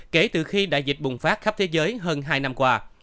kể từ khi đại dịch bùng phát khắp thế giới hơn hai năm qua